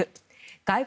外国